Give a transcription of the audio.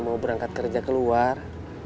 mau berangkat kerja keluar